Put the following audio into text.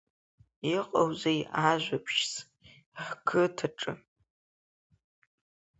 Иҟоузеи ажәабжьс ҳқыҭаҿы?